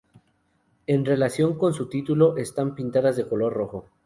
En relación con su título, están pintadas de color rojo.